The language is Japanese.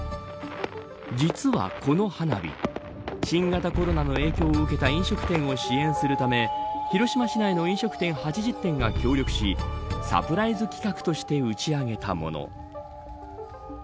実は、この花火新型コロナの影響を受けた飲食店を支援するため広島市内の飲食店８０店が協力しサプライズ企画として打ち上げたもの。